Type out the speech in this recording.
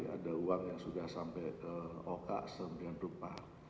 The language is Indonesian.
ada uang yang sudah sampai ke oka semikian rupa